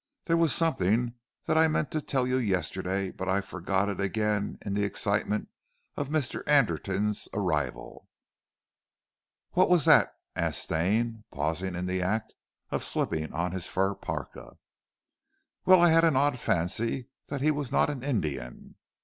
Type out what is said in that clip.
"There was something that I meant to tell you yesterday, but I forgot it again in the excitement of Mr. Anderton's arrival." "What was that?" asked Stane pausing in the act of slipping on his fur parka. "Well, I had an odd fancy that he was not an Indian."